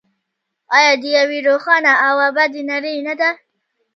آیا د یوې روښانه او ابادې نړۍ نه ده؟